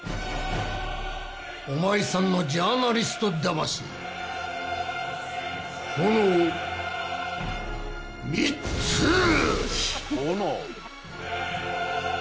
お前さんのジャーナリスト魂炎３つ！